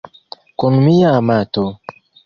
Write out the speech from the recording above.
Kun mia amato.